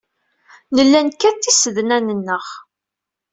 Nella nekkat tisednan-nneɣ.